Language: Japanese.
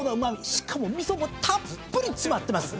「しかも味噌もたっぷり詰まってます。